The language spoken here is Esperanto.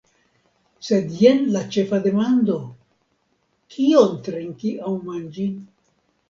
Sed jen la ĉefa demando: kion trinki aŭ manĝi.